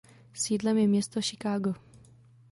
Sídlem je město Chicago.